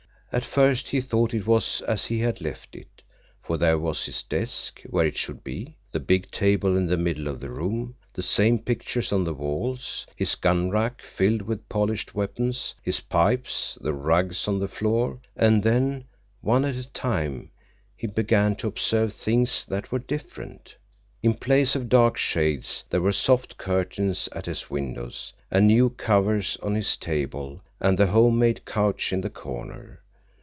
At first he thought it was as he had left it, for there was his desk where it should be, the big table in the middle of the room, the same pictures on the walls, his gun rack filled with polished weapons, his pipes, the rugs on the floor—and then, one at a time, he began to observe things that were different. In place of dark shades there were soft curtains at his windows, and new covers on his table and the home made couch in the corner.